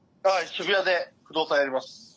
渋谷で不動産やります。